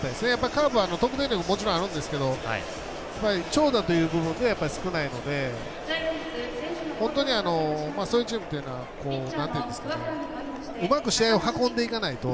カープは得点力もちろんあるんですけど長打という部分で少ないので本当にそういうチームというのはうまく試合を運んでいかないと